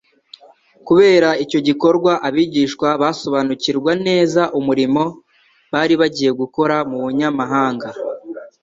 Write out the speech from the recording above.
Kubera icyo gikorwa, abigishwa basobanukirwa neza umurimo bari bagiye gukora mu banyamahanga,